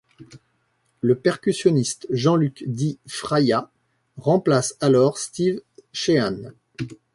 Le percussionniste Jean-Luc Di Fraya remplace alors Steve Shehan.